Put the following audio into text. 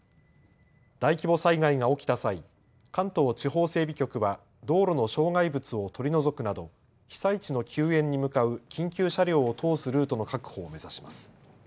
大規模災害が起きた際、関東地方整備局は道路の障害物を取り除くなど被災地の救援に向かう緊急車両を通すルートの確保を目指します。